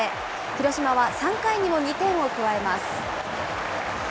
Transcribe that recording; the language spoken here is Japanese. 広島は３回にも２点を加えます。